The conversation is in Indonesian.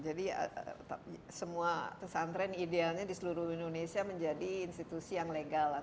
semua pesantren idealnya di seluruh indonesia menjadi institusi yang legal lah